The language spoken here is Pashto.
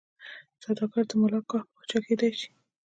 سوداګر د ملاکا پاچا کېدای شي.